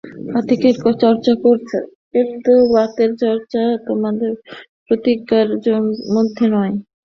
বাতিকের চর্চা করছ করো, কিন্তু বাতের চর্চা তোমাদের প্রতিজ্ঞার মধ্যে নয়।